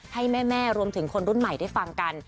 ให้แม่รวมถึงคนรุ่นใหม่ได้ฟังกัน